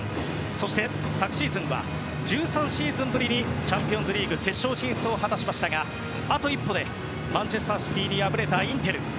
そして昨シーズンは１３シーズンぶりにチャンピオンリーグ決勝進出を果たしましたがあと一歩で、マンチェスター・シティに敗れたインテル。